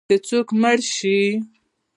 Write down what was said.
چې څوک مړ شي